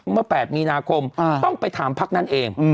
เมื่อ๘นาคมต้องไปถามภักดิ์นั่นเอง